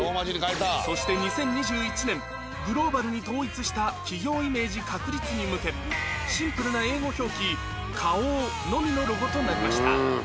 そして２０２１年グローバルに統一した企業イメージ確立に向けシンプルな英語表記「ｋａｏ」のみのロゴとなりました